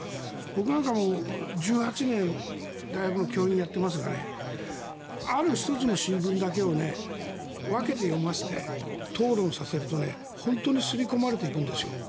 僕なんかも１８年大学の教員をやっていますがある１つの新聞だけを分けて読ませて討論させると、本当に刷り込まれていくんですよ。